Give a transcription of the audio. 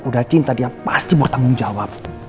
udah cinta dia pasti bertanggung jawab